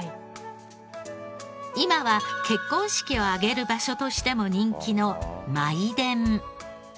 今は結婚式を挙げる場所としても人気の舞殿。